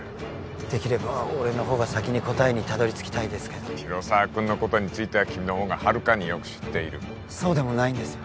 できれば俺のほうが先に答えにたどり着きたいですけど広沢君については君のほうがはるかによく知っているそうでもないんですよ